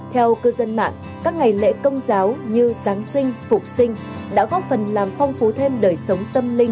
theo cư dân mạng các ngày lễ công giáo như giáng sinh phục sinh đã góp phần làm phong phú thêm đời sống tâm linh